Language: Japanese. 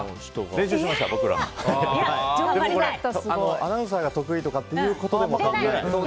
アナウンサーが得意とかっていうことではないです。